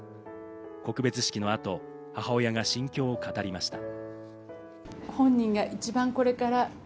告別式の後、母親が心境を語りました。